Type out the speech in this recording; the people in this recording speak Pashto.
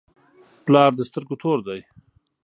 پلار د سترګو تور دی.